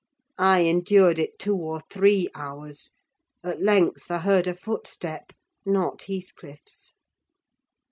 I endured it two or three hours; at length, I heard a footstep: not Heathcliff's.